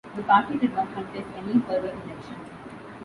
The party did not contest any further elections.